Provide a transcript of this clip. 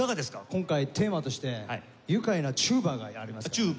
今回テーマとして愉快なテューバがありますから。